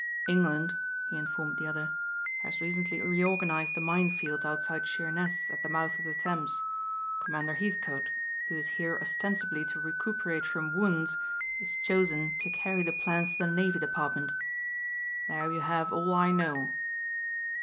"England," he informed the other, "has recently reorganized the mine fields outside Sheerness at the mouth of the Thames. Commander Heathcote, who is here ostensibly to recuperate from wounds, is chosen to carry the plans to the Navy Department. There you have all I know."